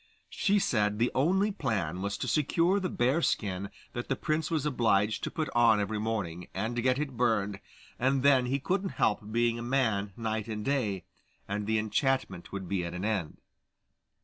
She said the only plan was to secure the bear's skin that the prince was obliged to put on every morning, and get it burned, and then he couldn't help being a man night and day, and the enchantment would be at an end.